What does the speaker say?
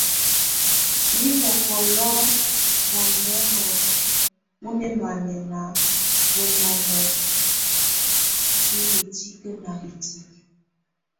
Yile mɔ́kɔlo mɔndɔnŋɔ wɔ nɛmanɛna bɔnɔnŋɔ tɛ hitikə na hitikə.